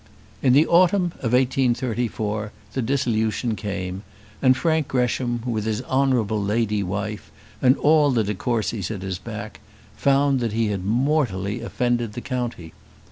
In the autumn of 1834 the dissolution came, and Frank Gresham, with his honourable lady wife and all the de Courcys at his back, found that he had mortally offended the county.